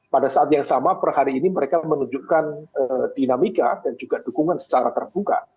pada saat yang sama per hari ini mereka menunjukkan dinamika dan juga dukungan secara terbuka